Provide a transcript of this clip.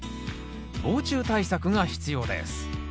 防虫対策が必要です。